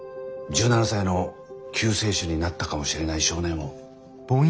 １７才の救世主になったかもしれない少年を。